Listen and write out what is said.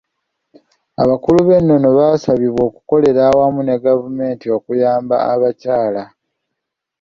Abakulu b'ennono baasabibwa okukolera awamu ne gavumenti okuyamba abakyala.